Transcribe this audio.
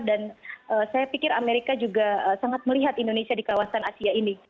dan saya pikir amerika juga sangat melihat indonesia di kawasan asia ini